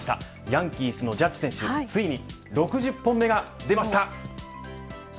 ヤンキースのジャッジ選手ついに６０本目が出ました。